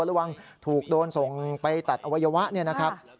ระวังถูกโดนส่งไปตัดอวัยวะ